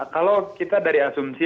kalau kita dari asumsi